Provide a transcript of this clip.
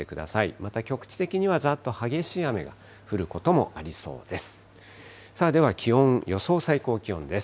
また局地的にはざっと激しい雨が降ることもありそうです。